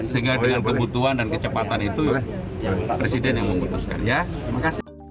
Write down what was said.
sehingga dengan kebutuhan dan kecepatan itu presiden yang memutuskannya